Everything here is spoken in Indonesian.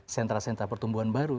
sentra sentra pertumbuhan baru